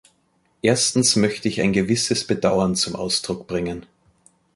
Erstens möchte ich ein gewisses Bedauern zum Ausdruck bringen.